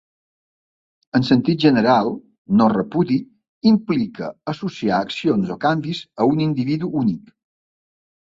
En sentit general, "no repudi" implica associar accions o canvis a un individu únic.